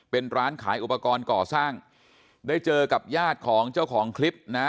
เป็นร้านขายอุปกรณ์ก่อสร้างได้เจอกับญาติของเจ้าของคลิปนะ